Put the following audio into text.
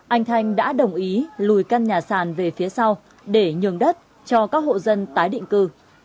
anh thanh đã đồng ý lùi căn nhà sàn về phía sau để nhường đất cho các hộ dân tái định cư